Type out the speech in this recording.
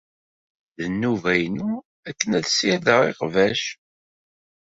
D nnuba-inu akken ad ssirdeɣ iqbac.